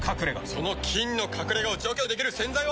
その菌の隠れ家を除去できる洗剤は。